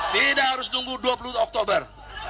tidak harus nunggu dua puluh oktober